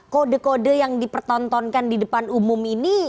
kode kode yang dipertontonkan di depan umum ini